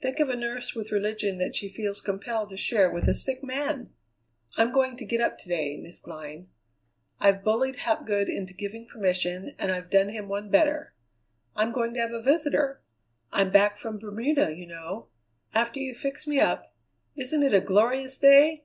Think of a nurse with religion that she feels compelled to share with a sick man! I'm going to get up to day, Miss Glynn. I've bullied Hapgood into giving permission, and I've done him one better. I'm going to have a visitor! I'm back from Bermuda, you know. After you've fixed me up isn't it a glorious day?